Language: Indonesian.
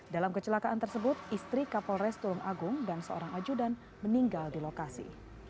dalam kecelakaan tersebut istri kapolres tulung agung dan seorang ajudan meninggal di lokasi